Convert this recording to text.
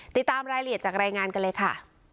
ติดตามรายละเอียดจากรายงานกันเลยค่ะ